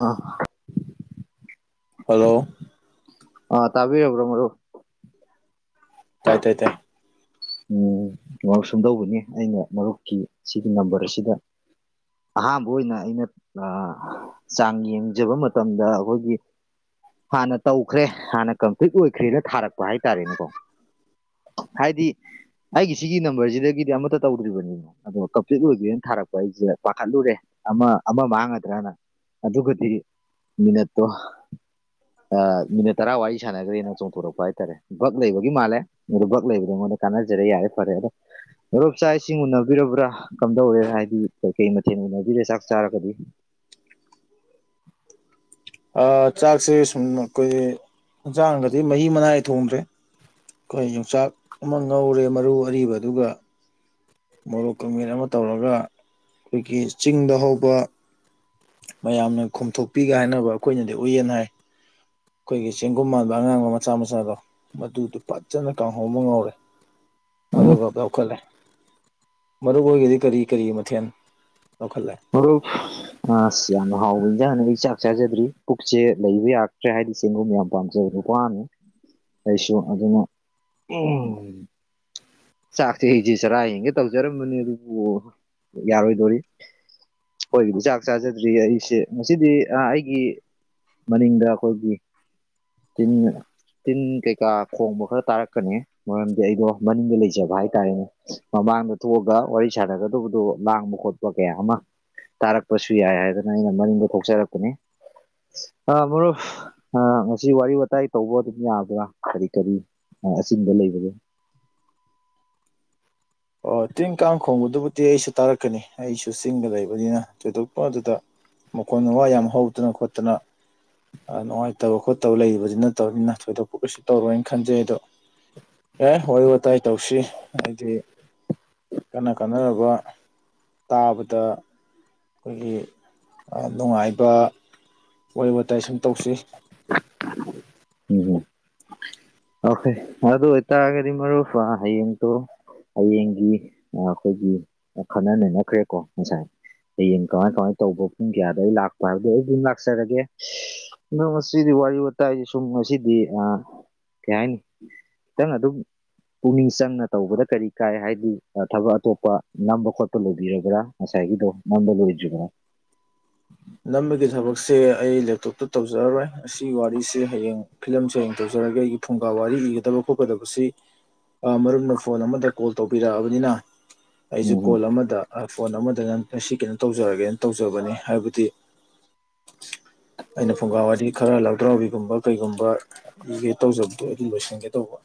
ꯑ ꯍꯜꯂꯣ ꯑ ꯇꯥꯕꯤꯔꯕ꯭ꯔꯣ ꯃꯔꯨꯞ ꯇꯥꯏ ꯇꯥꯏ ꯇꯥꯏ ꯎꯝ ꯉꯁꯨꯝꯗꯧꯕꯅꯤ ꯑꯩꯅ ꯃꯔꯨꯞꯀꯤ ꯁꯤꯒꯤ ꯅꯝꯕꯔ ꯑꯁꯤꯗ ꯑꯍꯥꯟꯕ ꯑꯣꯏꯅ ꯑꯩꯅ ꯆꯥꯡ ꯌꯦꯡꯖꯕ ꯃꯇꯝꯗ ꯑꯩꯈꯣꯏꯒꯤ ꯍꯥꯟꯅ ꯇꯧꯈ꯭ꯔꯦ ꯍꯥꯟꯅ ꯀꯝꯄ꯭ꯂꯤꯠ ꯑꯣꯏꯈ꯭ꯔꯦꯅ ꯊꯥꯔꯛꯄ ꯍꯥꯏꯇꯥꯔꯦꯅꯦꯀꯣ ꯍꯥꯏꯗꯤ ꯑꯩꯒꯤ ꯁꯤꯒꯤ ꯅꯝꯕꯔꯁꯤꯗꯒꯤꯗꯤ ꯑꯃꯠꯇ ꯇꯧꯗ꯭ꯔꯤꯕꯅꯤꯅꯣ ꯑꯗꯣ ꯀꯝꯄꯂꯤꯠ ꯑꯣꯏꯗꯦꯅ ꯊꯥꯔꯛꯄ ꯑꯩꯁꯦ ꯄꯥꯈꯠꯂꯨꯔꯦ ꯑꯃ ꯑꯃ ꯃꯥꯡꯒꯗ꯭ꯔꯅ ꯑꯗꯨꯒꯗꯤ ꯃꯤꯅꯠꯇꯣ ꯑ ꯃꯤꯅꯤꯠ ꯇꯔꯥ ꯋꯥꯔꯤ ꯁꯥꯟꯅꯈ꯭ꯔꯦꯅ ꯆꯣꯡꯊꯣꯔꯛꯄ ꯍꯥꯏꯇꯥꯔꯦ ꯕꯛ ꯂꯩꯕꯒꯤ ꯃꯥꯜꯂꯦ ꯑ ꯕꯛ ꯂꯩꯕꯅꯤꯉꯣꯟꯗ ꯀꯅꯖꯔ ꯌꯥꯏꯦ ꯐꯔꯦꯔꯦ ꯂꯧꯂꯣꯞ ꯆꯥꯛ ꯏꯁꯤꯡ ꯎꯅꯕꯤꯔꯕ꯭ꯔꯥ ꯀꯝꯗꯧꯔꯦ ꯍꯥꯏꯗꯤ ꯀꯩꯀꯩ ꯃꯊꯦꯜ ꯎꯅꯕꯤꯔꯦ ꯆꯥꯛ ꯆꯥꯔꯒꯗꯤ [inaudible] ꯆꯥꯛꯁꯦ ꯁꯨꯝ ꯑꯩꯈꯣꯏ ꯏꯟꯁꯥꯡꯗꯗꯤ ꯃꯍꯤ ꯃꯅꯥꯏ ꯊꯣꯡꯗ꯭ꯔꯦ ꯑꯩꯈꯣꯏ ꯌꯣꯡꯆꯥꯛ ꯑꯃ ꯉꯧꯔꯦ ꯃꯔꯨ ꯑꯔꯤꯕ ꯑꯗꯨꯒ ꯃꯣꯔꯣꯛ ꯀꯃꯦꯟ ꯑꯃ ꯇꯧꯔꯒ ꯑꯩꯈꯣꯏꯒꯤ ꯆꯤꯡꯗ ꯍꯧꯕ ꯃꯌꯥꯝꯅ ꯈꯣꯝꯊꯣꯛꯄꯤꯒ ꯍꯥꯏꯅꯕ ꯑꯩꯈꯣꯏꯅꯗꯤ ꯎꯏꯌꯦꯅ ꯍꯥꯏ ꯑꯩꯈꯣꯏꯒꯤ ꯆꯦꯡꯒꯨꯝ ꯃꯥꯟꯕ ꯑꯉꯥꯡꯕ ꯃꯆꯥ ꯃꯆꯥꯗꯣ ꯃꯗꯨꯗꯣ ꯐꯖꯅ ꯀꯥꯡꯍꯣꯡꯧꯕ ꯉꯧꯔꯦ [inaudible] ꯑꯗꯨꯒ ꯂꯧꯈꯠꯂꯦ ꯃꯔꯨ ꯑꯣꯏꯒꯗꯤ ꯀꯔꯤ ꯀꯔꯤ ꯃꯊꯦꯜ ꯂꯧꯈꯠꯂꯦ ꯍꯔ ꯑ ꯁꯌꯥꯅ ꯍꯥꯎꯖ [inaudible] ꯆꯥꯛ ꯆꯥꯖꯗ꯭ꯔꯤ ꯄꯨꯛꯁꯦ ꯂꯩꯕ ꯌꯥꯛꯇ꯭ꯔꯦ ꯍꯥꯏꯗꯤ ꯆꯦꯡꯒꯨꯝ ꯌꯥꯝ ꯄꯥꯝꯖꯕ ꯅꯨꯄꯥꯝꯅꯤ ꯀꯩꯁꯣ ꯑꯗꯨꯅ ꯆꯥꯛꯁꯦ ꯑꯩꯁꯤ ꯆꯔꯥ ꯌꯦꯡꯒꯦ ꯇꯧꯖꯔꯝꯕꯅꯤ ꯑꯗꯨꯕꯨ ꯌꯥꯔꯣꯏꯗꯣꯔꯤ ꯑꯩꯣꯏꯒꯤꯗꯤ ꯆꯥꯛ ꯆꯥꯖꯗ꯭ꯔꯤ ꯑꯩꯁꯦ ꯉꯁꯤꯗꯤ ꯑꯩꯒꯤ ꯃꯅꯤꯡꯗ ꯑꯩꯈꯣꯏꯒꯤ ꯇꯤꯟ ꯇꯤꯟ ꯀꯩꯀꯥ ꯈꯣꯡꯕ ꯈꯔ ꯇꯥꯔꯛꯀꯅꯤ ꯃꯔꯝꯗꯤ ꯑꯩꯗꯣ ꯃꯅꯤꯡꯗ ꯂꯩꯖ ꯂꯩꯖꯕ ꯍꯥꯏꯇꯥꯔꯅꯦ ꯃꯃꯥꯡꯗ ꯊꯣꯛꯑꯒ ꯋꯥꯔꯤ ꯁꯥꯟꯅꯒꯗꯕꯗꯨꯣ ꯂꯥꯡꯕ ꯈꯣꯠꯄ ꯀꯌꯥ ꯑꯃ ꯇꯥꯔꯛꯄꯁꯨ ꯌꯥꯏ ꯍꯥꯏꯗꯅ ꯑꯩꯅ ꯃꯅꯤꯡꯗ ꯊꯣꯛꯆꯔꯛꯄꯅꯦ ꯑ ꯃꯔꯨꯞ ꯑ ꯉꯁꯤ ꯋꯥꯔꯤ ꯋꯥꯇꯥꯏ ꯇꯧꯕ ꯑꯗꯨꯝ ꯌꯥꯕ꯭ꯔꯥ ꯀꯔꯤ ꯀꯔꯤ ꯑꯕ ꯂꯩꯕꯒꯦ ꯑꯣ ꯇꯤꯡ ꯀꯥꯡꯈꯣꯡꯕꯗꯨꯕꯨꯗꯤ ꯑꯩꯁꯨ ꯇꯥꯔꯛꯀꯅꯤ ꯑꯩꯁꯨ ꯆꯤꯡꯒ ꯂꯩꯕꯅꯤꯅ ꯊꯣꯏꯗꯣꯛꯄ ꯑꯗꯨꯗ ꯃꯈꯣꯟ ꯃꯋꯥ ꯌꯥꯝ ꯍꯧꯗꯅ ꯈꯣꯠꯇꯅ ꯅꯨꯡꯉꯥꯏꯇꯕ ꯈꯣꯠꯇꯕ ꯂꯩꯗꯨ ꯅꯠꯇꯕꯅꯤꯅ ꯊꯣꯏꯗꯣꯛꯄꯂꯁꯨ ꯇꯧꯔꯣꯏꯅ ꯈꯟꯖꯩ ꯑꯗꯣ ꯑꯦ ꯋꯥꯔꯤ ꯋꯥꯇꯥꯏ ꯇꯧꯁꯤ ꯍꯥꯏꯗꯤ ꯀꯅ ꯀꯥꯅꯔꯕ ꯇꯥꯕꯗ ꯑꯩꯈꯣꯏꯒꯤ ꯅꯨꯡꯉꯥꯏꯕ ꯋꯥꯔꯤ ꯋꯥꯇꯥꯏ ꯁꯨꯝ ꯇꯧꯁꯤ ꯎꯝ ꯑꯣꯣꯏ ꯑꯗ ꯍꯇꯥꯑꯒꯗꯤ ꯃꯔꯔ ꯌꯦꯡ ꯇꯣ ꯍꯌꯦꯡꯒꯤ ꯑꯩꯈꯣꯏꯒꯤ ꯈꯟꯅ ꯅꯩꯅꯈ꯭ꯔꯦꯀꯣ ꯉꯁꯥꯏ ꯍꯌꯦꯡ ꯀꯃꯥꯏ ꯀꯃꯥꯏꯅ ꯇꯧꯕ ꯄꯨꯡ ꯀꯌꯥꯗ ꯂꯩ ꯂꯥꯛꯄ ꯍꯥꯏꯕꯗꯨꯣ ꯑꯩ ꯑꯗꯨꯝ ꯂꯥꯛꯆꯔꯒꯦ ꯅꯪ ꯃꯁꯤꯗꯤꯋꯥꯂꯤ ꯕ ꯇꯥꯏ ꯁꯨꯝ ꯉꯁꯤꯗꯤ ꯀꯩ ꯍꯥꯏꯅꯤ ꯈꯤꯇꯪ ꯑꯗꯨꯝ ꯄꯨꯛꯅꯤꯡ ꯆꯪꯅ ꯇꯧꯕꯗ ꯀꯔꯤ ꯀꯥꯏ ꯍꯥꯏꯗꯤ ꯊꯕꯛ ꯑꯇꯣꯞꯄ ꯅꯝꯕ ꯈꯣꯠꯄ ꯂꯕꯤꯔꯕ꯭ꯔꯥ ꯉꯁꯥꯏ ꯃꯗ ꯂꯖꯨꯒꯅ ꯅꯝꯕꯒꯤ ꯊꯕꯛꯁꯦ ꯑꯩ ꯂꯦꯞꯇꯣꯞꯇ ꯇꯧꯖꯔꯔꯣꯏ ꯑꯁꯤꯒꯤ ꯋꯥꯔꯤꯁꯤꯦ ꯍꯌꯦꯡ ꯐꯤꯂꯝꯁꯦ ꯍꯌꯦꯡ ꯇꯧꯖꯔꯛꯦ ꯇꯧꯔꯒ ꯑꯩꯒꯤ ꯐꯨꯡꯒꯥ ꯋꯥꯔꯤ ꯏꯒꯗꯕ ꯈꯣꯠꯀꯗꯕꯁꯤ ꯃꯔꯨꯝꯅ ꯐꯣꯟ ꯑꯃꯗ ꯀꯣꯜ ꯇꯧꯕꯤꯔꯛꯑꯕꯅꯤꯅ ꯑꯩꯁꯨ ꯎꯝ ꯀꯣꯜ ꯑꯃꯗ ꯐꯣꯟ ꯑꯃꯗ ꯅꯁꯤ ꯀꯩꯅꯣ ꯇꯧꯖꯔꯒꯦꯅ ꯇꯧꯖꯕꯅꯤ ꯍꯥꯏꯕꯗꯤ [inaudible] ꯑꯩꯅ ꯐꯨꯡꯒꯥ ꯋꯥꯔꯤꯗꯤ ꯈꯔ ꯂꯥꯎꯊ꯭ꯔꯥꯎꯕꯤꯒꯨꯝꯕ ꯀꯩꯒꯨꯝꯕ ꯏꯒꯦ ꯇꯧꯖꯕꯗꯣ ꯑꯗꯨꯝ ꯂꯣꯏꯁꯤꯟꯒꯦ ꯇꯧꯕ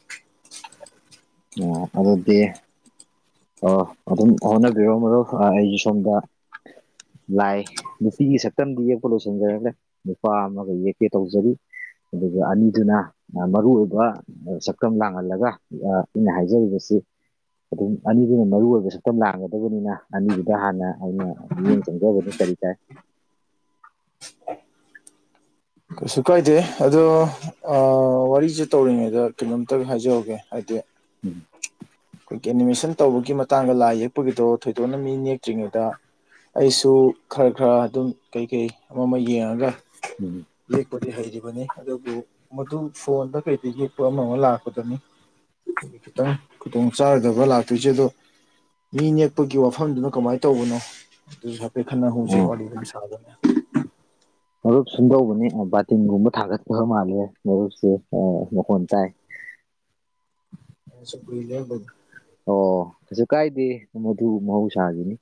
ꯑꯣ ꯑꯗꯤ ꯑꯣ ꯑꯗꯨꯝ ꯍꯣꯠꯅꯕꯤꯔꯣ ꯃꯔꯨꯞ ꯑꯩꯁꯦ ꯁꯣꯝꯗ ꯂꯥꯏ ꯅꯨꯄꯤꯒꯤ ꯁꯛꯇꯝꯗꯤ ꯌꯦꯛꯄ ꯂꯣꯏꯁꯤꯟꯖꯔꯒꯦ ꯅꯨꯄꯥ ꯑꯃꯒ ꯌꯦꯛꯀꯦ ꯇꯧꯖꯔꯤ ꯑꯗꯨꯒ ꯑꯅꯤꯗꯨꯅ ꯃꯔꯨ ꯑꯣꯏꯕ ꯁꯛꯇꯝ ꯂꯥꯡꯍꯜꯂꯒ ꯑꯩꯅ ꯍꯥꯏꯖꯔꯤꯕꯁꯤ ꯑꯗꯨꯝ ꯑꯅꯤꯗꯨꯅ ꯃꯔꯨ ꯑꯣꯏꯕ ꯁꯛꯇꯝ ꯂꯥꯡꯒꯗꯕꯅꯤꯅ ꯑꯅꯤꯗꯨꯗ ꯍꯥꯟꯅ ꯑꯩꯅ ꯃꯤꯠꯌꯦꯡ ꯆꯪꯖꯕꯅꯤ ꯔꯤ ꯀ ꯀꯩꯁꯨ ꯀꯥꯏꯗꯦ ꯑꯗꯣ ꯋꯥꯔꯤꯁꯦ ꯇꯧꯔꯤꯉꯩꯗ ꯀꯩꯅꯣꯝꯇ ꯍꯥꯏꯖꯧꯒꯦ ꯍꯥꯏꯗꯤ ꯎꯝ ꯑꯩꯈꯣꯏꯒꯤ ꯑꯦꯅꯤꯃꯦꯁꯟ ꯇꯧꯕꯒꯤ ꯃꯇꯥꯡꯗ ꯂꯥꯏ ꯌꯦꯛꯄꯒꯤꯗꯣ ꯊꯣꯏꯗꯣꯛꯅ ꯃꯤ ꯅꯦꯛꯇ꯭ꯔꯤꯉꯩꯗ ꯑꯩꯁꯨ ꯈꯔ ꯈꯔ ꯑꯗꯨꯝ ꯀꯩꯀꯩ ꯑꯃ ꯑꯃ ꯌꯦꯡꯉꯒ ꯎꯝ ꯌꯦ ꯀꯣꯗꯤ ꯍꯥꯏꯔꯔꯤꯕ ꯑꯗꯨꯕꯨ ꯃꯗꯨ ꯐꯣꯟꯗ ꯀꯩ ꯌꯦꯛꯄ ꯑꯃ ꯑꯃ ꯂꯥꯛꯄꯗꯨꯅꯤ ꯈꯤꯇꯪ ꯈꯨꯗꯣꯡ ꯆꯥꯔꯗꯕ ꯂꯥꯛꯇꯣꯏꯁꯦ ꯑꯗꯣ ꯃꯤ ꯅꯦꯛꯄꯒꯤ ꯋꯥꯐꯝꯗꯨꯅ ꯀꯃꯥꯏꯅ ꯇꯧꯕꯅꯣ ꯑꯗꯨꯁꯨ ꯍꯥꯏꯐꯦꯠ ꯈꯠ ꯍꯧꯨꯖꯤ ꯑꯣ ꯋꯥꯔꯤꯂꯤꯗꯨ ꯁꯥꯕꯅꯤ ꯃꯔꯨꯞ ꯁꯨꯝ ꯇꯧꯕꯅꯦ ꯕꯥꯇꯤꯟꯒꯨꯝꯕ ꯊꯥꯒꯠꯄꯕ ꯃꯥꯜꯂꯦ ꯃꯔꯨꯞꯁꯦ ꯃꯈꯣꯟ ꯇꯥꯏ [inaudible] ꯑ ꯁꯄꯔꯤ ꯂꯩꯦ ꯑꯣ ꯀꯩꯁꯨ ꯀꯥꯏꯗꯦ ꯃꯗꯨ ꯃꯍꯧꯁꯥꯒꯤꯅꯤ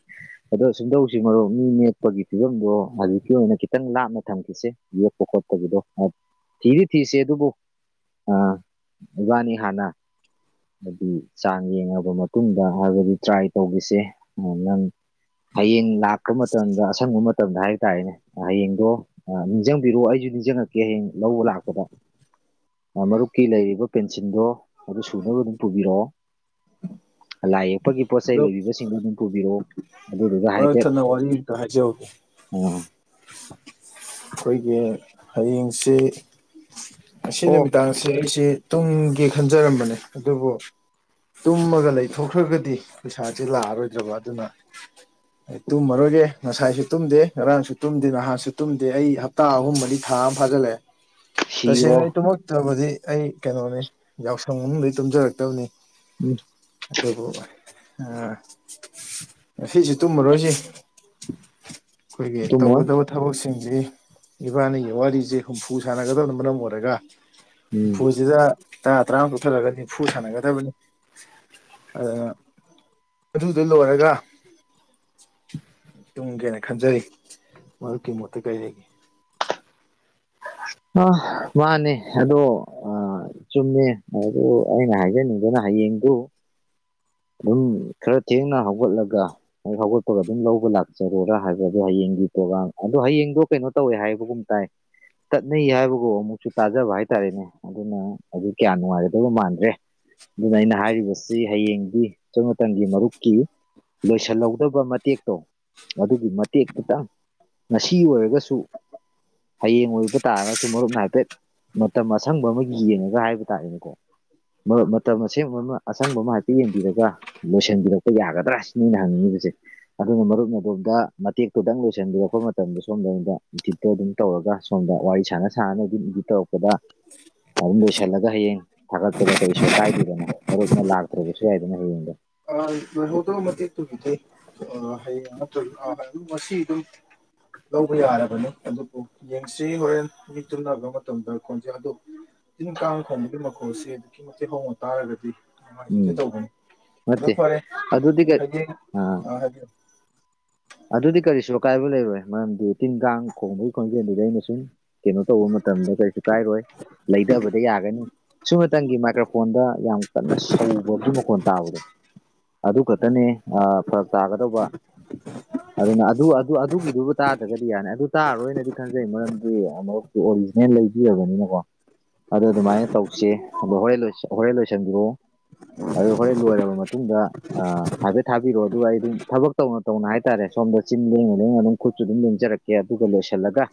ꯑꯗꯣ ꯁꯨꯝꯗꯧꯁꯤꯡ ꯃꯔꯣꯛ ꯃꯤ ꯅꯦꯛꯄꯒꯤ ꯐꯤꯕꯝꯗꯣ ꯍꯧꯖꯤꯛꯀꯤ ꯑꯣꯏꯅ ꯈꯤꯇꯪ ꯂꯥꯞꯅ ꯊꯝꯈꯤꯁꯦ ꯌꯦꯛꯄ ꯈꯣꯠꯇꯕꯗꯣ ꯊꯤꯗꯤ ꯊꯤꯤꯁꯦ ꯑꯗꯨꯕꯨ ꯑꯥ ꯏꯕꯥꯅꯤ ꯍꯥꯟꯅ ꯍꯥꯏꯗꯤ ꯆ ꯌꯦꯡꯉꯕ ꯃꯇꯨꯡꯗ ꯍꯥꯏꯔꯕꯗꯤ ꯇ꯭ꯔꯥꯏ ꯇꯧꯕꯤꯁꯦ ꯅꯪ ꯍꯌꯦꯡ ꯂꯥꯛꯄ ꯃꯇꯝꯗ ꯑꯁꯪꯕ ꯃꯇꯝꯗ ꯍꯥꯏꯇꯥꯔꯦꯅꯦ ꯍꯌꯦꯡꯗꯣ ꯅꯤꯡꯁꯤꯡꯕꯤꯔꯣꯑꯣ ꯑꯩꯁꯨ ꯅꯤꯡꯖꯉꯛꯀꯦ ꯍꯌꯦꯡ ꯂꯧꯕ ꯂꯥꯛꯄꯗ ꯃꯔꯨꯞꯀꯤ ꯂꯩꯔꯤꯕ ꯄꯦꯟꯁꯤꯜꯗꯣ ꯑꯗꯨ ꯁꯨꯅꯕ ꯑꯗꯨꯝ ꯄꯨꯕꯤꯔꯛꯑꯣ ꯂꯥꯏ ꯌꯦꯛꯄꯒꯤ ꯄꯣꯠ ꯆꯩ ꯑꯗꯣ ꯂꯩꯕꯤꯕꯁꯤꯡꯗꯣ ꯑꯗꯨꯝ ꯄꯨꯕꯤꯔꯛꯑꯣ ꯑꯗꯨꯗꯨꯒ ꯃꯔꯛ ꯍꯥꯏꯐꯦꯠ ꯊꯠꯅ ꯋꯥꯔꯤ ꯑꯃꯇ ꯍꯥꯏꯖꯍꯧꯒꯦ ꯑ ꯑꯩꯈꯣꯏꯒꯤ ꯍꯌꯦꯡꯁꯤ ꯑꯁꯤ ꯑꯣ ꯅꯨꯃꯤꯗꯥꯡꯁꯤ ꯑꯩꯁꯤ ꯇꯨꯡꯒꯤ ꯈꯟꯖꯔꯝꯕꯅꯦ ꯑꯗꯨꯕꯨ ꯇꯨꯝꯃꯒ ꯂꯩꯊꯣꯛꯈ꯭ꯔꯒꯗꯤ ꯄꯩꯁꯥꯁꯦ ꯂꯥꯛꯑꯔꯣꯏꯗ꯭ꯔꯕ ꯑꯗꯨꯅ ꯑꯩ ꯇꯨꯝꯃꯔꯣꯏꯒꯦ ꯉꯁꯥꯏꯁꯨ ꯇꯨꯝꯗꯦ ꯉꯔꯥꯡꯁꯨ ꯇꯨꯝꯗꯦ ꯅꯍꯥꯟꯁꯨ ꯇꯨꯝꯗꯦ ꯑ ꯑꯩ ꯍꯞꯇꯥ ꯑꯍꯨꯝ ꯃꯗꯤ ꯊꯥ ꯑꯃ ꯐꯥꯖꯤꯜꯂꯛꯑꯦ ꯇꯁꯦꯡꯅ ꯁꯤꯔꯣ ꯑꯩ ꯇꯨꯝꯃꯛꯇꯕꯗꯤ ꯑꯩ ꯀꯩꯅꯣꯅꯦ ꯌꯥꯎꯁꯪ ꯃꯅꯨꯡꯗ ꯇꯨꯝꯖꯔꯛꯇꯕꯅꯤ ꯎꯝ ꯑꯗꯨꯕꯨ ꯁꯤꯁꯤꯦ ꯇꯨꯝꯃꯔꯣꯏꯁꯤ [inaudible] ꯑꯩꯈꯣꯏꯒꯤ ꯇꯨꯝꯃꯣꯏ ꯇꯧꯒꯗꯕ ꯊꯕꯛꯁꯤꯡꯁꯤ ꯏꯕꯥꯅꯤꯒꯤ ꯋꯥꯔꯤꯁꯦ ꯍꯨꯝꯐꯨ ꯁꯥꯟꯅꯒꯗꯕꯅ ꯃꯔꯝ ꯑꯣꯏꯔꯒ ꯎꯝ ꯍꯨꯝꯐꯨꯁꯤꯗ ꯇꯔꯥ ꯇꯔꯥꯃꯨꯛ ꯇꯛꯊꯔꯒ ꯅꯤꯐꯨ ꯁꯥꯟꯅꯒꯗꯕꯅꯤ ꯑꯗꯨꯅ ꯑꯗꯨꯗ ꯂꯣꯏꯔꯒ ꯇꯨꯝꯒꯦꯅ ꯈꯟꯖꯩ ꯃꯗꯨꯀꯤ ꯃꯣꯠꯇ ꯀꯩ ꯂꯩꯒꯦ ꯑ ꯃꯥꯅꯦ ꯑꯗꯣ ꯑ ꯆꯨꯝꯃꯦ ꯑꯗꯨ ꯑꯩꯅ ꯍꯥꯏꯖꯅꯤꯡꯗꯅ ꯍꯌꯦꯡꯗꯨ ꯑꯗꯨꯝ ꯈꯔ ꯊꯦꯡꯅ ꯍꯧꯒꯠꯂꯒ ꯍꯧꯒꯠꯄꯒ ꯑꯗꯨꯝ ꯂꯧꯕ ꯂꯥꯛꯆꯔꯨꯔꯥ ꯍꯥꯏꯕꯗꯣ ꯍꯌꯦꯡ ꯄ꯭ꯔꯣ ꯑꯗꯣ ꯍꯌꯦꯡꯗꯣ ꯀꯩꯅꯣ ꯇꯧꯋꯦ ꯍꯥꯏꯕꯒꯨꯝ ꯇꯥꯏ ꯆꯠꯅꯩ ꯍꯥꯏꯕꯕꯨꯣ ꯑꯃꯨꯛꯁꯨ ꯇꯥꯖꯕ ꯍꯥꯏꯇꯥꯔꯦꯅꯦ ꯑꯗꯨꯅ ꯑꯗꯨ ꯀꯌꯥ ꯅꯨꯡꯉꯥꯏꯒꯗꯕ ꯃꯥꯟꯗ꯭ꯔꯦ ꯑꯗꯨꯅ ꯑꯩꯅ ꯍꯥꯏꯔꯤꯕꯁꯤ ꯍꯌꯦꯡꯗꯤ ꯁꯁꯣꯏ ꯃꯇꯝꯇꯪꯒꯤ ꯃꯔꯨꯞꯀꯤ ꯂꯣꯏꯁꯤꯜꯍꯧꯗꯕ ꯃꯇꯦꯛꯇꯣ ꯑꯗꯨꯒꯤ ꯃꯇꯦꯛ ꯈꯤꯇꯪ ꯉꯁꯤ ꯑꯣꯏꯔꯒꯁꯨ ꯍꯌꯦꯡ ꯑꯣꯏꯕ ꯇꯥꯔꯒꯁꯨ ꯃꯔꯨꯞꯅ ꯍꯥꯏꯐꯦꯠ ꯃꯇꯝ ꯑꯁꯪꯕ ꯑꯃ ꯌꯦꯡꯉꯒ ꯍꯥꯏꯕ ꯇꯥꯔꯦꯅꯦꯀꯣ ꯃꯇꯝ ꯑꯁꯦꯡꯕ ꯑꯃ ꯑꯁꯪꯕ ꯑꯃ ꯍꯥꯏꯗꯤ ꯌꯦꯡꯕ ꯔꯒ ꯂꯣꯏꯁꯤꯟꯕꯤꯔꯛꯄ ꯌꯥꯒꯗ꯭ꯔꯥ ꯁꯤ ꯅ ꯑꯩꯅ ꯍꯪꯅꯤꯡꯉꯤꯕꯁꯦ ꯑꯗꯨꯅ ꯃꯔꯨꯞ ꯃꯣꯝꯗ ꯃꯇꯦꯛꯇꯨꯗꯪ ꯂꯣꯏꯁꯤꯟꯕꯤ ꯑꯩꯈꯄ ꯃꯇꯝꯗ ꯁꯣꯝꯗꯗ ꯏꯊꯤꯠꯇꯣ ꯑꯗꯨꯝ ꯇꯧꯔꯒ ꯁꯣꯝ ꯑ ꯋꯥꯔꯤ ꯁꯥꯟꯅ ꯁꯥꯟꯅꯅ ꯍꯧꯗꯤ ꯇꯧꯔꯛꯄꯗ ꯑꯗꯨꯝ ꯂꯣꯏꯁꯤꯜꯂꯒ ꯍꯌꯦꯡ ꯊꯥꯒꯠꯄꯗ ꯀꯩꯁꯨ ꯑꯀꯥꯏꯗꯗꯅ ꯃꯔꯔꯨꯞꯅ ꯂꯥꯛꯇ꯭ꯔꯒꯁꯨ ꯈꯁꯤꯤ ꯍꯥꯏꯗꯅ ꯍꯗ ꯑ ꯂꯣꯏꯍꯧꯗꯣ ꯃꯇꯦꯛ ꯇꯨꯕꯤꯗꯩ ꯍꯌꯦꯡ ꯑ ꯉꯁꯤ ꯑꯗꯨꯝ ꯂꯧꯕ ꯌꯥꯔꯕꯅꯤ ꯑꯗꯨꯕꯨ ꯌꯦꯡꯁꯤ ꯍꯣꯔꯦꯟ ꯃꯤ ꯇꯨꯝꯔꯕ ꯃꯇꯝꯗ ꯈꯣꯟꯖꯦꯜ ꯑꯗꯨ ꯇꯤꯟ ꯀꯥꯡ ꯊꯣꯡꯕꯒꯤ ꯃꯈꯣꯜꯁꯤ ꯑꯗꯨꯛꯀꯤ ꯃꯇꯤꯛ ꯍꯧꯅ ꯇꯥꯔꯒꯗꯤ ꯅꯨꯡꯉꯥꯏꯖꯗꯦ ꯎꯝ ꯇꯧꯕꯅꯤ ꯑꯗꯨꯣ ꯅꯠꯇꯦ ꯐꯔꯦ ꯑꯗꯨꯗꯤ ꯀꯩ ꯍꯥꯏꯕꯤꯌꯨ ꯑꯥ ꯑ ꯍꯥꯏꯕꯤꯌꯨ ꯑꯗꯨꯗꯤ ꯀꯔꯤꯁꯨ ꯑꯀꯥꯏꯕ ꯂꯩꯔꯣꯏ ꯃꯔꯝꯗꯤ ꯇꯤꯟ ꯀꯥꯡ ꯈꯣꯡꯕꯒꯤ ꯈꯣꯟꯖꯦꯜꯗꯨꯗꯤ ꯑꯩꯅ ꯁꯨꯝ ꯀꯩꯅꯣ ꯇꯧꯕ ꯃꯇꯝꯗ ꯀꯔꯤꯁꯨ ꯀꯥꯏꯔꯣꯏ ꯂꯩꯊꯕꯗ ꯌꯥꯒꯅꯤ ꯁꯤꯨꯝꯃꯇꯪꯒꯤ ꯃꯥꯏꯀ꯭ꯔꯣꯐꯣꯟꯗ ꯌꯥꯝ ꯀꯟꯅ ꯁꯧꯕꯒꯤ ꯃꯈꯣꯟ ꯇꯥꯕꯗꯣ ꯑꯗꯨ ꯈꯛꯇꯅꯦ ꯐꯔꯛ ꯇꯥꯒꯗꯧꯕ ꯑꯗꯨꯅ ꯑꯗꯨ ꯑꯗꯨꯒꯤꯗꯨꯕꯨ ꯇꯥꯗ꯭ꯔꯒꯗꯤ ꯌꯥꯅꯤ ꯑꯗꯨ ꯇꯥꯔꯣꯏꯅꯗꯤ ꯈꯟꯖꯩ ꯃꯔꯝꯗꯤ ꯃꯔꯨꯞꯛꯇ ꯑꯣꯔꯤꯖꯤꯅꯦꯜ ꯂꯩꯕꯤꯔꯕꯅꯤꯅꯀꯣ ꯑꯗꯨ ꯑꯗꯨꯃꯥꯏꯅ ꯇꯧꯁꯤ ꯑꯗꯣ ꯍꯣꯔꯦꯟ ꯍꯣꯔꯦꯟ ꯂꯣꯏꯁꯟꯕꯤꯔꯛꯣ ꯑꯗꯨ ꯍꯣꯔꯦꯟ ꯂꯣꯏꯔꯕ ꯃꯇꯨꯡꯗ ꯍꯥꯏꯐꯦꯠ ꯊꯥꯕꯤꯔꯣꯑꯣ ꯑꯗꯨꯒ ꯑꯩ ꯑꯗꯨꯝ ꯊꯕꯛ ꯇꯧꯅ ꯇꯧꯅ ꯍꯥꯏ ꯍꯥꯏꯇꯥꯔꯦ ꯁꯣꯝꯗ ꯆꯤꯟ ꯂꯦꯡꯉ ꯂꯦꯡꯉ ꯑꯗꯨꯝ ꯈꯨꯠꯁꯨ ꯑꯗꯨꯝ ꯂꯦꯡꯖꯔꯛꯀꯦ ꯑꯗꯨꯒ ꯂꯣꯏꯁꯤꯜꯂꯒ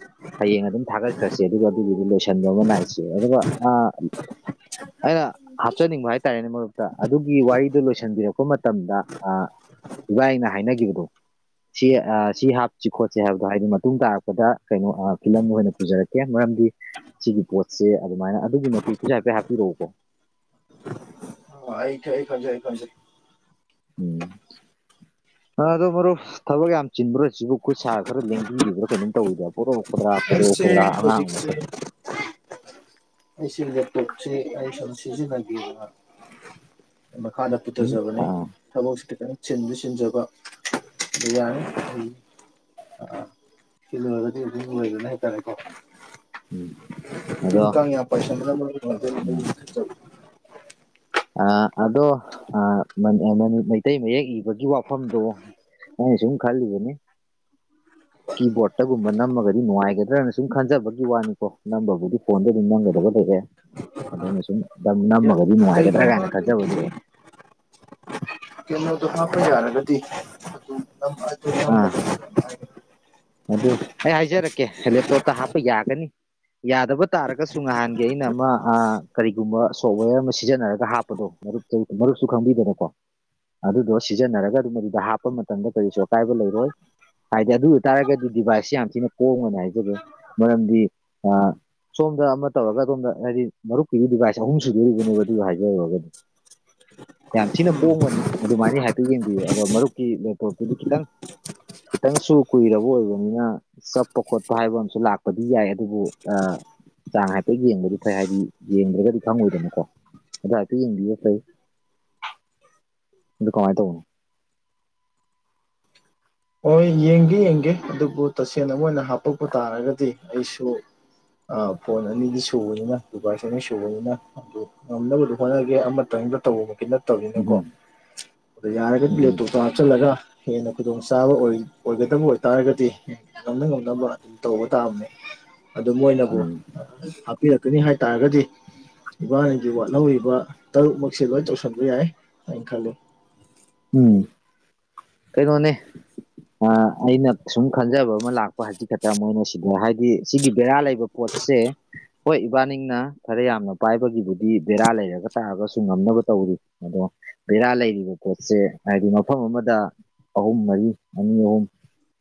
ꯍꯌꯦꯡ ꯑꯗꯨꯝ ꯊꯥꯒꯠꯈ꯭ꯔꯁꯦ ꯑꯗꯨꯒ ꯑꯗꯨꯒꯤꯗꯨ ꯂꯣꯏꯁꯟꯕ ꯑꯃ ꯅꯥꯏꯁꯦ ꯑꯗꯨꯒ [inaudible] ꯑꯩꯅ ꯍꯥꯞꯆꯅꯤꯡꯕ ꯍꯥꯏ ꯍꯥꯏꯇꯥꯔꯦꯅꯦ ꯃꯔꯛꯇ ꯑꯗꯨꯒꯤ ꯋꯥꯔꯤꯗꯨꯣ ꯂꯣꯏꯁꯤꯟꯕꯤꯔꯛꯄ ꯃꯇꯝꯗ ꯏꯕꯥꯅ ꯍꯥꯏꯅꯈꯤꯕꯗꯣ [inaudible] ꯁꯤ ꯁꯤ ꯍꯥꯞꯁꯤ ꯈꯣꯠꯁꯤ ꯍꯥꯏꯕꯗꯣ ꯍꯥꯏꯗꯤ ꯃꯇꯨꯡ ꯇꯥꯔꯛꯄꯗ ꯀꯩꯅꯣ ꯐꯤꯂꯝꯗ ꯑꯣꯏꯅ ꯄꯨꯖꯔꯛꯀꯦ ꯃꯔꯝꯗꯤ ꯁꯤꯒꯤ ꯄꯣꯠꯁꯦ ꯑꯗꯨꯃꯥꯏꯅ ꯑꯗꯨꯀꯤ ꯃꯇꯤꯛ ꯄꯩꯁ ꯍꯥꯏꯐꯦꯠ ꯍꯥꯞꯄꯤꯔꯛꯎꯀꯣ ꯑꯩ ꯈꯪꯖꯦ ꯑꯩ ꯈꯪꯖꯦ ꯎꯝ ꯑ ꯑꯗꯣ ꯃꯔꯨꯞ ꯊꯕꯛ ꯌꯥꯝ ꯆꯤꯟꯕ꯭ꯔꯥ ꯁꯤꯕꯨ ꯈꯨꯠ ꯁꯥ ꯈꯔ ꯂꯦꯡꯕꯤꯕ꯭ꯔꯥ ꯀꯩꯅꯣꯝ ꯇꯧꯋꯤꯕ꯭ꯔꯥ ꯄꯣꯔꯣ ꯈꯗ꯭ꯔꯥ ꯀꯨꯗ ꯑꯩꯁꯦ ꯈꯗ꯭ꯔꯥ ꯑꯉꯁꯦ ꯑꯩꯁꯤꯖ ꯇꯣꯞꯁꯤ ꯑꯩ ꯁ ꯁꯤꯖꯤꯅ ꯃꯈꯥꯗ ꯎꯝ ꯄꯨꯊꯖꯕꯅꯦ ꯑꯥ ꯊꯕꯛꯁꯤꯗꯤ ꯀꯔꯤ ꯁꯤꯟꯁꯨ ꯁꯤꯟꯖꯕ ꯑꯗꯨ ꯌꯥꯅꯤ ꯑꯗꯨ ꯑ ꯁꯤꯤꯂꯗꯤ ꯂꯕꯅ ꯍꯥꯏꯇꯥꯔꯦ ꯎꯝ ꯑꯗꯣ [inaudible] [inaudible] ꯑ ꯑꯗꯣ ꯃꯩꯇꯩ ꯃꯌꯦꯛ ꯏꯕꯒꯤ ꯋꯥꯐꯝꯗꯣ ꯑ ꯁꯨꯝ ꯈꯂꯤꯕꯅꯤ ꯀꯤꯕꯣꯔꯗꯠꯇꯒꯨꯝꯕ ꯅꯝꯃꯒꯗꯤ ꯅꯨꯡꯉꯥꯏꯒꯗ꯭ꯔꯅ ꯁꯨꯝ ꯈꯟꯖꯕꯒꯤ ꯋꯥꯅꯤꯀꯣ ꯅꯝꯕꯕꯨꯗꯤ ꯐꯣꯟꯗ ꯑꯗꯨꯝ ꯅꯝꯒꯗꯕ ꯂꯩ ꯑꯗꯨꯅ ꯁꯨꯝ ꯅꯝꯃꯒꯗꯤ ꯀꯗ꯭ꯔ ꯀꯩꯒꯨꯝꯕ ꯀꯥꯏꯅ ꯈꯔꯖ ꯑꯗꯨꯒꯤ ꯑꯗꯨ ꯍꯥꯞꯄ ꯌꯥꯔꯒꯗꯤ ꯑꯗꯨ ꯑꯥ ꯑꯗꯨꯝꯕꯗ ꯑꯗꯨ ꯑꯩ ꯍꯥꯏꯖꯔꯛꯀꯦ ꯂꯦꯞꯇꯣꯞꯇ ꯍꯥꯞꯄ ꯌꯥꯒꯅꯤ ꯌꯥꯗꯕ ꯇꯥꯔꯒꯁꯨ ꯅꯍꯥꯟꯒꯤ ꯑꯩꯅ ꯑꯃ ꯀꯔꯤꯒꯨꯝꯕ ꯁꯣꯞꯋꯦꯔ ꯑꯃ ꯁꯤꯖꯤꯟꯅꯔꯒ ꯍꯥꯞꯄꯗꯣ ꯃꯔꯔꯛ ꯆ ꯃꯔꯛꯁꯨꯨ ꯈꯥꯡꯕꯤꯗꯔꯄꯥ ꯑꯗꯨꯗꯣ ꯁꯤꯖꯤꯟꯅꯔꯒ ꯑꯗꯨ ꯃꯗꯨꯗ ꯍꯥꯞꯄ ꯃꯇꯝꯗ ꯀꯔꯤꯁꯨ ꯑꯀꯥꯏꯕ ꯂꯩꯔꯣꯏ ꯍꯥꯏꯗꯤ ꯑꯗꯨ ꯇꯥꯔꯒꯗꯤ ꯗꯤꯚꯥꯏꯁꯁꯦ ꯌꯥꯝ ꯊꯤꯅ ꯀꯣꯡꯅ ꯍꯥꯏꯖꯒꯦ ꯃꯔꯝꯗꯤ ꯁꯣꯝꯗ ꯑꯃ ꯇꯧꯔꯒ ꯑꯗꯣꯝꯗ ꯍꯥꯏꯗꯤ ꯃꯔꯨꯞꯀꯤꯒꯤ ꯗꯤꯚꯥꯏꯁ ꯑꯍꯨꯝ ꯁꯨꯗꯣꯔꯤꯕꯅꯦꯕ ꯑꯗꯨ ꯍꯥꯏꯖꯔꯨꯔꯒꯗꯤ ꯌꯥꯝ ꯊꯤꯅ ꯀꯣꯡꯒꯅꯤ ꯑꯗꯨꯃꯥꯏꯅ ꯍꯥꯏꯐꯦꯠ ꯌꯦꯡꯕꯤꯌꯨ ꯑꯗꯣ ꯃꯔꯨꯞꯀꯤ ꯂꯦꯞꯇꯣꯞꯇꯨꯗꯤ ꯈꯤꯇꯪ ꯏꯈꯤꯇꯪꯁꯨꯨ ꯀꯨꯏꯔꯕ ꯑꯣꯏꯕꯅꯤꯅ ꯆꯠꯄ ꯈꯣꯠꯄ ꯍꯥꯏꯕ ꯑꯃꯁꯨ ꯂꯥꯛꯄꯗꯤ ꯌꯥꯏ ꯑꯗꯨꯕꯨ ꯑ ꯆꯥꯡ ꯍꯥꯏꯐꯦꯠ ꯌꯦꯡꯕꯗꯤ ꯐꯩ ꯍꯥꯏꯗꯤ ꯌꯦꯡꯗ꯭ꯔꯒꯗꯤ ꯈꯪꯉꯣꯏꯗꯅꯀꯣ ꯑꯗ ꯍꯥꯏꯐꯦꯠ ꯌꯦꯡꯕꯤꯕ ꯐꯩ ꯑꯗꯨ ꯀꯃꯥꯏ ꯇꯧꯕ ꯍꯣꯏ ꯌꯦꯡꯒꯦ ꯌꯦꯡꯒꯦ ꯑꯗꯨꯕꯨ ꯇꯁꯦꯡꯅ ꯑꯃ ꯑꯣꯏꯅ ꯍꯥꯄꯛꯄ ꯇꯥꯔꯒꯗꯤ ꯑꯩꯁꯨ ꯑ ꯐꯣꯟ ꯑꯅꯤꯗꯤ ꯁꯨꯕꯅꯤꯅ ꯗꯤꯚꯥꯏꯁ ꯑꯅꯤ ꯁꯨꯕꯅꯤꯅ ꯑꯗꯨ ꯉꯝꯅꯕꯗ ꯍꯣꯠꯅꯒꯦ ꯑꯃꯠꯇ ꯇꯧꯕ ꯅꯠꯇꯕꯅꯤꯅꯀꯣ ꯎꯝ ꯑꯗꯣ ꯌꯥꯔꯒꯗꯤ ꯎꯝ ꯂꯦꯇꯣꯞꯇꯣ ꯍꯥꯞꯆꯜꯂꯒ ꯍꯦꯟꯅ ꯈꯨꯗꯣꯡ ꯆꯥꯕ ꯑꯣꯏꯒꯗꯕ ꯑꯣꯏ ꯑꯣꯏꯇꯥꯔꯒꯗꯤ ꯉꯝꯅ ꯉꯝꯅꯕ ꯗꯨꯝ ꯇꯧꯕ ꯇꯥꯕꯅꯤ ꯑꯗꯨ ꯃꯣꯏꯅꯕꯨ ꯎꯝ ꯍꯥꯞꯄꯤꯔꯛꯀꯅꯤ ꯍꯥꯏꯇꯥꯔꯒꯗꯤ ꯏꯕꯥꯅꯤꯒꯤ ꯋꯥꯠꯍꯧꯔꯤꯕ ꯇꯔꯨꯛꯃꯛꯁꯦ ꯂꯣꯏ ꯇꯧꯁꯤꯟꯕ ꯌꯥꯏ ꯍꯥꯏꯅ ꯈꯜꯂꯤ ꯎꯝ ꯀꯩꯅꯣꯅꯦ ꯑ ꯑꯩꯅ ꯁꯨꯝ ꯈꯟꯖꯕ ꯑꯃ ꯂꯥꯛꯄ ꯍꯥꯖꯤꯛ ꯈꯛꯇꯥ ꯃꯣꯏꯅ ꯁꯤꯗ ꯍꯥꯏꯗꯤ ꯁꯤꯒꯤ ꯕꯦꯔꯥ ꯂꯩꯕ ꯄꯣꯠ ꯁꯦ ꯍꯣꯏ ꯏꯕꯥꯅꯤꯅ ꯈꯔ ꯌꯥꯝꯅ ꯄꯥꯏꯕꯒꯤꯕꯨꯗꯤ ꯕꯦꯔꯥ ꯂꯩꯔꯕ ꯇꯥꯔꯒꯁꯨ ꯉꯝꯅꯕ ꯇꯧ ꯔꯤ ꯑꯗꯣ ꯕꯦꯔꯥ ꯂꯩꯔꯤꯕ ꯄꯣꯠ ꯁꯦ ꯍꯥꯏꯗꯤ ꯃꯐꯝ ꯑꯃꯗ ꯑꯍꯨꯝ ꯃꯔꯤ ꯑꯅꯤ ꯑꯍꯨꯝ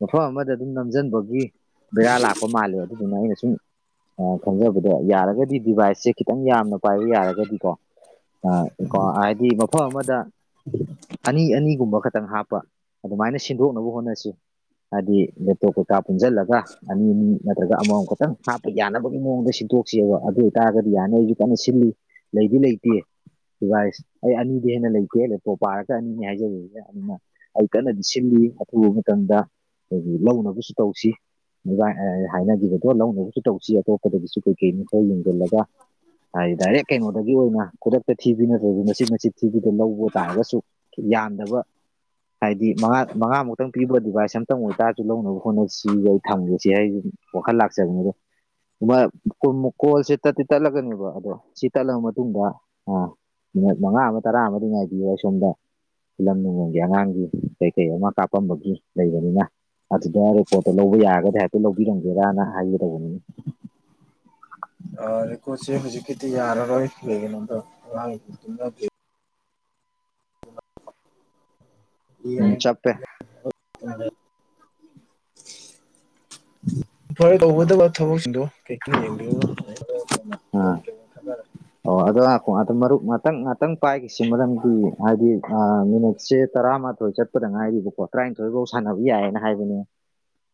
ꯃꯐꯝ ꯑꯃꯗ ꯑꯗꯨꯝ ꯅꯝꯁꯤꯟꯕꯒꯤ ꯕꯦꯔꯥ ꯂꯥꯛꯄ ꯃꯥꯜꯂꯦ ꯑꯗꯨꯗꯨꯅ ꯑꯩꯅ ꯁꯨꯝ ꯑꯥ ꯈꯟꯖꯕꯗ ꯑꯗꯣ ꯌꯥꯔꯒꯗꯤ ꯗꯤꯚꯥꯏꯁꯁꯦ ꯈꯤꯇꯪ ꯌꯥꯝꯅ ꯄꯥꯏꯕ ꯌꯥꯔꯒꯗꯤꯀꯣ ꯑꯥ ꯍꯥꯏꯗꯤ ꯃꯐꯝ ꯑꯃꯗ ꯑꯅꯤ ꯑꯅꯤꯒꯨꯝꯕ ꯈꯛꯇꯪ ꯍꯥꯞꯄ ꯑꯗꯨꯃꯥꯏꯅ ꯁꯤꯟꯗꯣꯛꯅꯕ ꯍꯣꯠꯅꯁꯤ ꯍꯥꯏꯗꯤ ꯂꯦꯞꯇꯣꯞ ꯀꯩꯀꯥ ꯄꯨꯟꯁꯤꯜꯂꯒ ꯑꯅꯤ ꯑꯅꯤ ꯅꯠꯇ꯭ꯔꯒ ꯑꯃꯃꯝ ꯈꯛꯇꯪ ꯍꯥꯞꯄ ꯌꯥꯅꯕꯒꯤ ꯃꯑꯣꯡꯗ ꯗꯣꯛꯁꯦꯕ ꯑꯗꯨ ꯑꯣꯏꯇꯥꯔꯒꯗꯤ ꯌꯥꯅꯤ ꯑꯩꯁꯨ ꯀꯟꯅ ꯁꯤꯜꯂꯤ ꯂꯩꯗꯤ ꯂꯩꯇꯦ ꯗꯤꯚꯥꯏꯁ ꯑꯩ ꯑꯅꯤꯗꯤ ꯍꯦꯟꯅ ꯂꯩꯇꯦ ꯂꯦꯞꯇꯣꯞ ꯄꯥꯔ ꯆꯅꯤ ꯍꯥꯏꯖꯕ ꯑꯗꯨꯅ ꯑꯩ ꯀꯟꯅꯗꯤ ꯁꯤꯜꯂꯤ ꯑꯊꯨꯕ ꯃꯇꯝꯗ ꯑꯩꯒꯤ ꯂꯧꯅꯕꯁꯨ ꯇꯧꯁꯤ ꯍꯥꯏꯅꯈꯤꯕꯗꯣ ꯂꯧꯅꯕꯁꯨ ꯇꯧꯁꯤ ꯑꯇꯣꯞꯄꯗꯒꯤꯁꯨ ꯀꯩꯀꯩꯅꯣ ꯈꯔꯥ ꯌꯦꯡꯁꯤꯜꯂꯒ ꯍꯥꯏꯗꯤ ꯗꯥꯏꯔꯦꯛ ꯀꯩꯅꯣꯗꯒꯤ ꯑꯣꯏꯅ ꯈꯨꯗꯛꯇ ꯊꯤꯕꯤ ꯅꯠꯇ꯭ꯔꯗꯤ ꯃꯆꯤꯠ ꯃꯆꯤꯠ ꯊꯤꯕꯤꯗ ꯂꯧꯕ ꯇꯥꯔꯒꯁꯨ ꯌꯥꯝꯗꯕ ꯍꯥꯏꯗꯤ ꯃꯉꯥ ꯃꯉꯥꯃꯨꯛꯇꯪ ꯄꯤꯕ ꯗꯤꯚꯥꯏꯁ ꯑꯝꯇꯪ ꯑꯣꯏꯇꯥꯔꯁꯨ ꯂꯧꯅꯕ ꯍꯣꯠꯅꯁꯤ ꯑꯩ ꯊꯝꯒꯤꯁꯦ ꯍꯥꯏ ꯋꯥꯈꯜ ꯂꯥꯛꯆꯥꯕꯅꯤ ꯑꯗꯨ ꯀꯣꯜꯁꯦ ꯇꯠꯇꯤ ꯇꯠꯂꯥꯒꯅꯤꯕ ꯑꯗꯣ ꯁꯤ ꯇꯠꯂꯕ ꯃꯇꯨꯡꯗ ꯑꯥ ꯃꯤꯅꯠ ꯃꯉꯥ ꯑꯃ ꯇꯔꯥ ꯑꯃꯗꯤ ꯉꯥꯏꯕꯤꯌꯣ ꯑꯩꯁꯣꯝꯗ ꯐꯤꯂꯝ ꯅꯨꯡꯂꯝꯒꯤ ꯑꯉꯥꯡꯒꯤ ꯀꯩꯀꯩ ꯑꯃ ꯀꯥꯞꯄꯝꯕꯒꯤ ꯂꯩꯕꯅꯤꯅ ꯑꯗꯨꯗ ꯔꯤꯄꯣꯔꯠꯇꯣ ꯂꯧꯕ ꯌꯥꯔꯒꯗꯤ ꯍꯥꯏꯐꯦꯠꯛꯇ ꯂꯧꯕꯤꯔꯝꯒꯦꯔꯅ ꯍꯥꯏꯒꯦ ꯇꯧꯕꯅꯤꯗ ꯑꯥ ꯔꯦꯀꯣꯠꯁꯦ ꯍꯧꯖꯤꯛꯀꯤꯗꯤ ꯌꯥꯔꯔꯣꯏ ꯀꯩꯒꯤꯅꯣꯗ ꯎꯝ ꯆꯞꯄꯦ ꯐꯔꯦ ꯇꯧꯒꯗꯕ ꯊꯕꯛꯁꯤꯡꯗꯣ ꯀꯩ ꯌꯦ ꯑꯥ ꯀꯔ [unintelligible] ꯑꯣ ꯑꯗꯣ ꯉꯏꯈꯣ ꯃꯔꯨꯞ ꯉꯥꯛꯇꯪ ꯉꯥꯛꯇꯪ ꯄꯥꯏꯈꯤꯁꯤ ꯃꯔꯝꯗꯤ ꯍꯥꯏꯗꯤ ꯃꯤꯅꯤꯠꯁꯦ ꯇꯔꯥꯃꯥꯊꯣꯏ ꯆꯠꯄꯗ ꯉꯥꯏꯔꯤꯕꯀꯣ ꯇꯔꯥꯅꯤꯊꯣꯏꯐꯧ ꯁꯥꯟꯅꯕ ꯌꯥꯏꯌꯦꯅ ꯍꯥꯏꯕꯅꯦ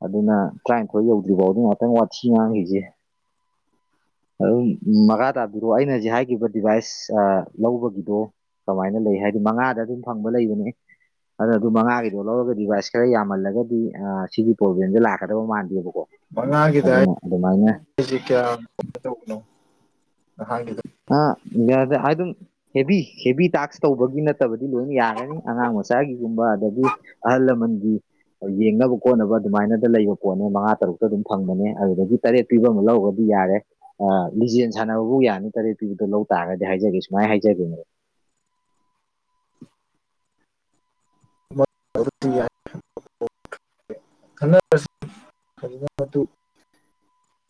ꯑꯗꯨꯅ ꯇꯔ꯭ꯥꯏꯟꯊꯣꯏ ꯌꯧꯗ꯭ꯔꯤ ꯐꯥꯎꯗꯤ ꯉꯢꯍꯥꯛꯇꯪ ꯋꯥꯊꯤ ꯉꯥꯡꯈꯤꯁꯤ ꯑꯗꯨꯝ ꯃꯈꯥ ꯇꯥꯕꯤꯔꯛꯑꯣ ꯑꯩꯅ ꯍꯧꯖꯤꯛ ꯍꯥꯏꯈꯤꯕ ꯗꯤꯚꯥꯏꯁ ꯑꯥ ꯂꯧꯕꯒꯤꯗꯣ ꯀꯃꯥꯏꯅ ꯂꯩ ꯍꯥꯏꯗꯤ ꯃꯉꯥꯗ ꯑꯗꯨꯝ ꯐꯪꯕ ꯂꯩꯕꯅꯤ ꯑꯗꯨꯅ ꯑꯗꯨ ꯃꯉꯥꯒꯤꯗꯣ ꯂꯧꯔꯒ ꯗꯤꯚꯥꯏꯁ ꯈꯔ ꯌꯥꯝꯃꯜꯂꯒꯗꯤ ꯁꯤꯒꯤ ꯄ꯭ꯔꯣꯕ꯭ꯂꯦꯝꯁꯦ ꯂꯥꯛꯀꯗꯕ ꯃꯥꯟꯗꯦꯕꯨ ꯃꯉꯥꯒꯤꯗ ꯍꯥꯏꯁꯤ ꯀꯌꯥꯣꯃ ꯇꯧꯕꯅꯣ [inaudible] ꯍꯥꯡ ꯑꯗꯨ [unintelligible] ꯑꯥ ꯏꯟꯗꯤꯌꯥꯗ ꯍꯥ ꯗꯨꯝ ꯍꯦꯚꯤ ꯍꯦꯚꯤ ꯇꯥꯛꯁ ꯇꯧꯕꯒꯤ ꯅꯠꯇꯕꯗꯤ ꯂꯣꯏꯅ ꯌꯥꯒꯅꯤ ꯑꯉꯥꯡ ꯃꯆꯥꯒꯤ ꯀꯨꯝꯕ ꯑꯗꯗꯤ ꯑꯍꯜ ꯂꯝꯟ ꯒꯤ ꯌꯦꯡꯅꯕ ꯈꯣꯠꯅꯕ ꯑꯗꯨꯃꯥꯏꯅꯗ ꯂꯩꯕ ꯄꯣꯠꯅꯦ ꯃꯉꯥ ꯇꯔꯨꯛꯇ ꯑꯗꯨꯝ ꯐꯪꯕꯅꯦ ꯑꯗꯨꯗꯒꯤ ꯇꯔꯦꯠ ꯄꯤꯕ ꯑꯃ ꯂꯧꯔꯒꯗꯤ ꯌꯥꯔꯦ ꯂꯤꯖꯦꯟ ꯁꯥꯟꯅꯕꯐꯧ ꯌꯥꯅꯤ ꯇꯔꯦꯠ ꯄꯤꯕꯗꯣ ꯂꯧ ꯇꯥꯔꯒꯗꯤ ꯍꯥꯏꯖꯒꯦ ꯁꯨꯃꯥꯏ ꯍꯥꯏꯖꯒꯦꯕ ꯑꯩ [unintelligible] [unintelligible]